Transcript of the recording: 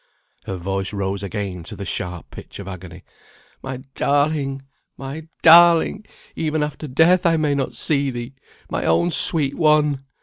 Her voice rose again to the sharp pitch of agony. "My darling! my darling! even after death I may not see thee, my own sweet one!